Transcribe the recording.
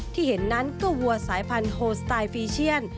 ที่เห็นนั้นก็วัวสายพันธุสไตล์ฟีเชียน